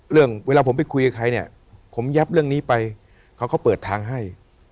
เวลาผมไปคุยกับใครเนี่ยผมยับเรื่องนี้ไปเขาก็เปิดทางให้